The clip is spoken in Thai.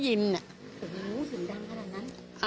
โอ้โฮถึงดังขนาดนั้น